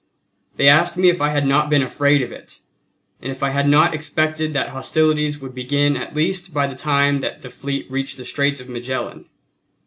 They asked me if I had not been afraid of it, and if I had not expected that hostilities would begin at least by the time that the fleet reached the Straits of Magellan?